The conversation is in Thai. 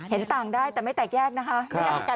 เห็นต่างได้แต่ไม่แตกแยกนะคะ